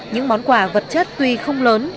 những món quà vật chất tuy không lớn